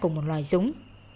cùng một loại súng